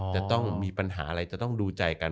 จะต้องมีปัญหาอะไรจะต้องดูใจกัน